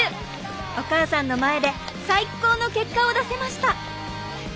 お母さんの前で最高の結果を出せました！